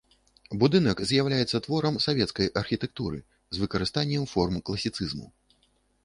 Будынак з'яўляецца творам савецкай архітэктуры з выкарыстаннем форм класіцызму.